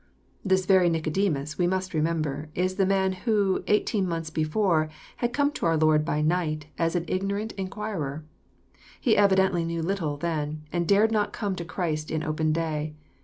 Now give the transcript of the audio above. " This very Nicodemus, we must remember, is the man who, eighteen months before, had come to our Lord by night as an ignorant inquirer. He evidently knew little then, and dared not come to Christ in open day.